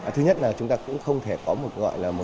thứ nhất là chúng ta cũng không thể có một gọi là